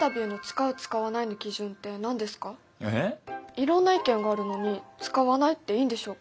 いろんな意見があるのに使わないっていいんでしょうか？